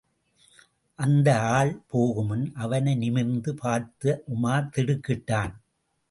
அந்த ஆள் போகுமுன் அவனை நிமிர்ந்து பார்த்த உமார் திடுக்கிட்டான்.